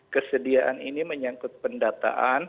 kesediaan ini menyangkut pendataan